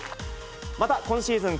また、今シーズン